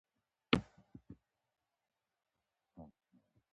د کویلیو فکر ژور او پیغام یې نړیوال دی.